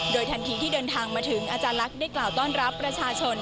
ทันทีที่เดินทางมาถึงอาจารย์ลักษณ์ได้กล่าวต้อนรับประชาชน